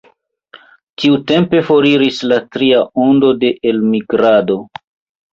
Tiutempe foriris la tria ondo de elmigrado.